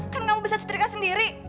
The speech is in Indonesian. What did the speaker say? kan kamu bisa setrika sendiri